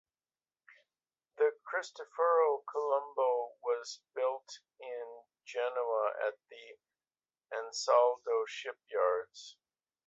The "Cristoforo Colombo" was built in Genoa at the Ansaldo Shipyards.